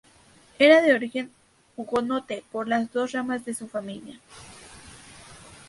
Era de origen hugonote por las dos ramas de su familia.